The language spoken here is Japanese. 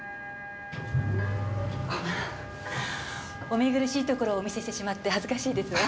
お見苦しいところをお見せしてしまって恥ずかしいですわ。